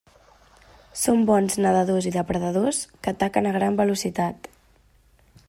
Són bons nedadors i depredadors que ataquen a gran velocitat.